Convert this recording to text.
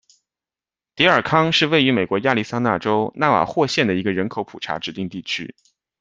迪尔康是位于美国亚利桑那州纳瓦霍县的一个人口普查指定地区。